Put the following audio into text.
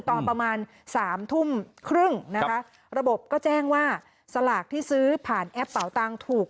ตอนประมาณสามทุ่มครึ่งนะคะระบบก็แจ้งว่าสลากที่ซื้อผ่านแอปเป่าตังค์ถูก